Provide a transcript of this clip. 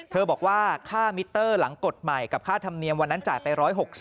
บอกว่าค่ามิเตอร์หลังกฎใหม่กับค่าธรรมเนียมวันนั้นจ่ายไป๑๖๐